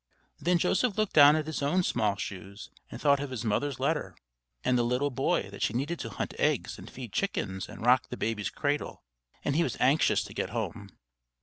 Then Joseph looked down at his own small shoes and thought of his mother's letter, and the little boy that she needed to hunt eggs and feed chickens and rock the baby's cradle; and he was anxious to get home.